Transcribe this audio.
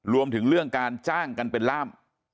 รวมถึงเรื่องการจ้างกันเป็นล่าม